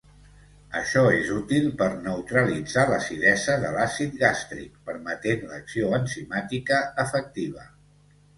Això és útil per neutralitzar l'acidesa de l'àcid gàstric, permetent l'acció enzimàtica efectiva.